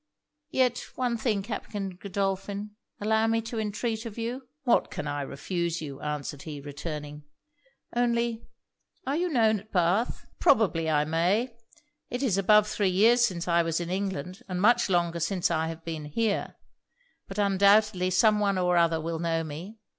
'Yet one thing, Captain Godolphin, allow me to entreat of you?' 'What can I refuse you?' answered he, returning. 'Only are you known at Bath?' 'Probably I may. It is above three years since I was in England, and much longer since I have been here. But undoubtedly some one or other will know me.'